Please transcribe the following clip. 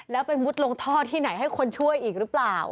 แล้วไปมุดลงท่อที่ไหนให้คนช่วยอีกหรือเปล่า